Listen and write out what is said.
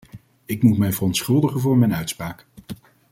Ik moet mij verontschuldigen voor mijn uitspraak.